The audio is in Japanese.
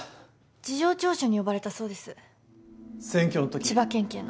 事情聴取に呼ばれたそうです千葉県警の。